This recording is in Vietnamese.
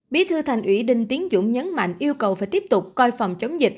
bí thư thành ủy đinh tiến dũng nhấn mạnh yêu cầu phải tiếp tục coi phòng chống dịch